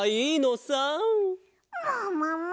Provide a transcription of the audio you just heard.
ももも！